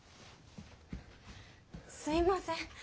すいません。